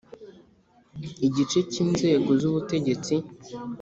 Igice cya Inzego z ubutegetsi